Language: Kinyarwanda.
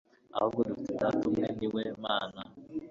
ahubwo dufite Data umwe ni we Mana.»